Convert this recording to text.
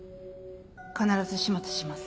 必ず始末します。